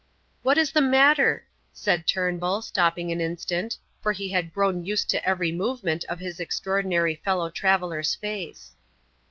"What is the matter?" said Turnbull, stopping an instant, for he had grown used to every movement of his extraordinary fellow traveller's face.